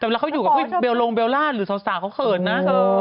แต่เวลาเขาอยู่กับเบลลงเบลล่าหรือสาวเขาเขินนะ